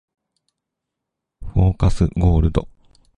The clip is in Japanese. フォーカスゴールド